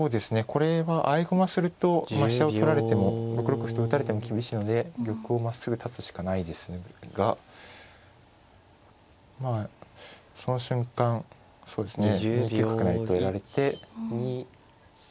これは合駒すると飛車を取られても６六歩と打たれても厳しいので玉をまっすぐ立つしかないですがその瞬間２九角成とやられて。